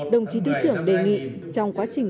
đồng chí thứ trưởng đề nghị trong quá trình